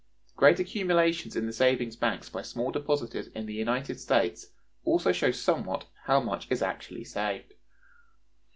The great accumulations in the savings banks by small depositors in the United States also show somewhat how much is actually saved.